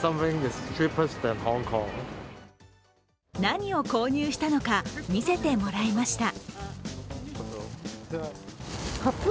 何を購入したのか見せてもらいました。